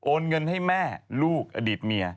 เงินให้แม่ลูกอดีตเมีย